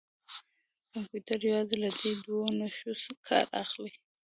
کمپیوټر یوازې له دې دوو نښو کار اخلي.